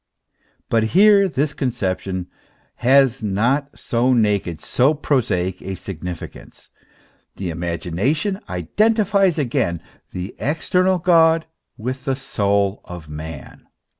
But here this conception has not so naked, so prosaic a significance; the imagination identifies again the external God with the soul of man.